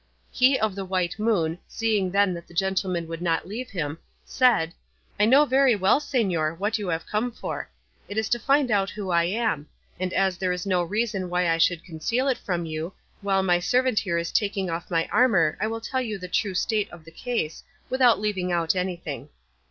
He of the White Moon, seeing then that the gentleman would not leave him, said, "I know very well, señor, what you have come for; it is to find out who I am; and as there is no reason why I should conceal it from you, while my servant here is taking off my armour I will tell you the true state of the case, without leaving out anything.